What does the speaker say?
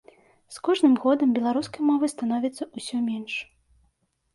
З кожным годам беларускай мовы становіцца ўсё менш.